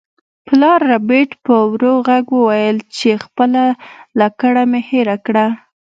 پلار ربیټ په ورو غږ وویل چې خپله لکړه مې هیره کړه